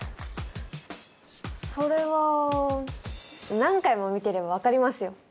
それは何回も見てれば分かりますよ。